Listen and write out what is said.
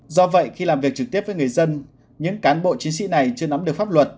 do vậy khi làm việc trực tiếp với người dân những cán bộ chiến sĩ này chưa nắm được pháp luật